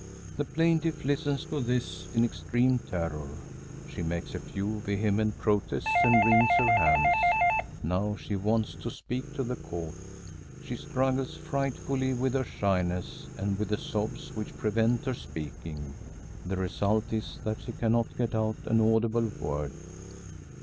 The plaintiff listens to this in extreme terror. She makes a few vehement protests and wrings her hands. Now she wants to speak to the Court. She struggles frightfully with her shyness and with the sobs which prevent her speaking. The result is that she cannot get out an audible word.